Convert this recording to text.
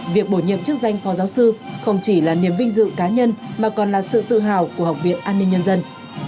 việc bổ nhiệm chức danh phó giáo sư không chỉ là niềm vinh dự cá nhân mà còn là sự tự hào của học viện an ninh nhân dân